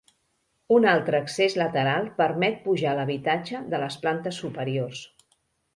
Un altre accés lateral permet pujar a l'habitatge de les plantes superiors.